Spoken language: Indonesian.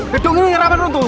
gedung ini raman runtuh